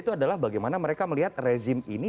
itu adalah bagaimana mereka melihat rezim ini